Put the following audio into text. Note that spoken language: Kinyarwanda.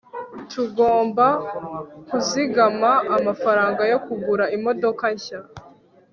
tugomba kuzigama amafaranga yo kugura imodoka nshya